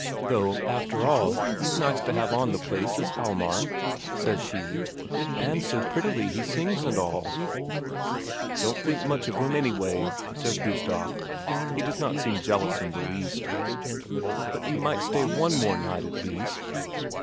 "Though, after all, he's nice to have on the place, is Hjalmar," says she, "and so prettily he sings and all." "Don't think much of him, anyway," says Gustaf. He does not seem jealous in the least. "But you might stay one more night at least?"